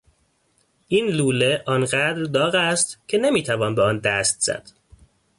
این لوله آنقدر داغ است که نمیتوان به آن دست زد.